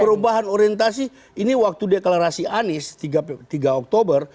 perubahan orientasi ini waktu deklarasi anies tiga oktober